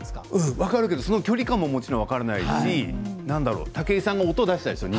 分かるけどその距離感ももちろん分からないし武井さんが音を出したでしょう